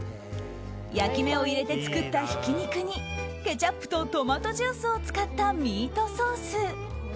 焼き目を入れて作ったひき肉にケチャップとトマトジュースを使ったミートソース。